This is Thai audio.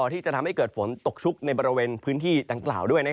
ที่จะทำให้เกิดฝนตกชุกในบริเวณพื้นที่ดังกล่าวด้วย